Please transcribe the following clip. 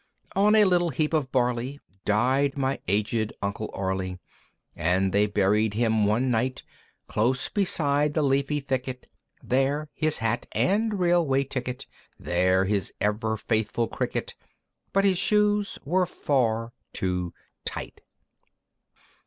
VII. On a little heap of Barley Died my agèd Uncle Arly, And they buried him one night; Close beside the leafy thicket; There, his hat and Railway Ticket; There, his ever faithful Cricket (But his shoes were far too tight).